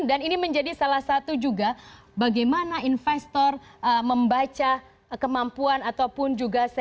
dan ini menjadi salah satu juga bagaimana investor membaca kemampuan ataupun juga csi